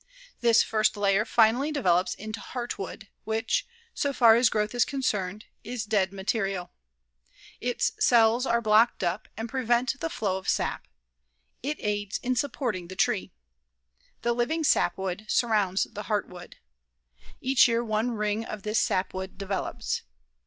This first layer finally develops into heartwood, which, so far as growth is concerned, is dead material. Its cells are blocked up and prevent the flow of sap. It aids in supporting the tree. The living sapwood surrounds the heartwood. Each year one ring of this sapwood develops.